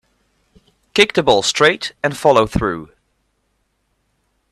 Kick the ball straight and follow through.